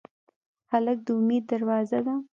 هلک د امید دروازه ده.